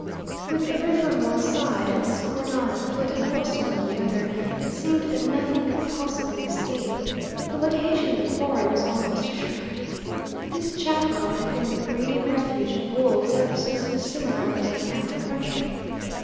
With the river on one side and this cordon of foot and horsemen on the other, it seemed that nothing could possibly escape. The location of the quarry was almost assured. This chaparral had been the breeding refuge of wolves ever since the Cimarron was a cattle country.